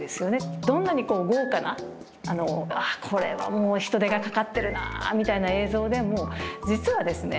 どんなに豪華なこれはもう人手がかかってるなみたいな映像でも実はですね